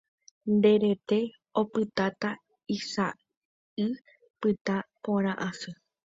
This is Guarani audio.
nde rete opytáta isa'y pytã porã asy.